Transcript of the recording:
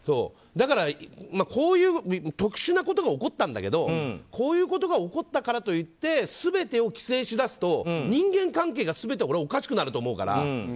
だから、こういう特殊なことが起こったんだけどこういうことが起こったからといって全てを規制にし出すと人間関係が全部おかしくなると思うから。